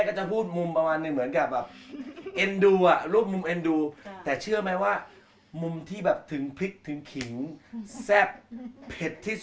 ถ้าคนอื่นคือไม่กล้ายืมไง